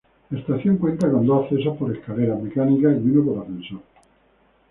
Las estación cuenta con dos accesos por escaleras mecánicas y uno por ascensor.